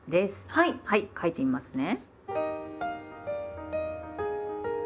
はい書いてみますね。